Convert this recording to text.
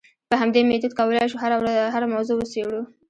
په همدې میتود کولای شو هره موضوع وڅېړو.